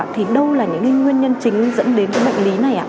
thì đâu là những cái nguyên nhân chính dẫn đến bệnh lý này ạ